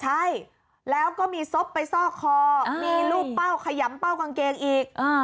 ใช่แล้วก็มีศพไปซอกคอมีรูปเป้าขยำเป้ากางเกงอีก